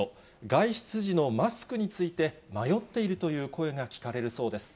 外出時のマスクについて、迷っているという声が聞かれるそうです。